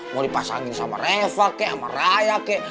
mau dipasangin sama reva kek sama raya kek